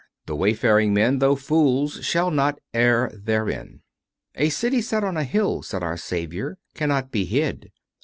The wayfaring men, though fools, shall not err therein." "A city set on a hill," said our Saviour, "cannot be hid."